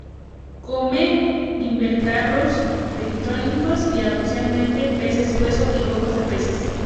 Come invertebrados bentónicos y, ocasionalmente, peces hueso y huevos de peces.